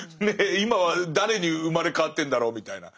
今は誰に生まれ変わってるんだろうみたいな。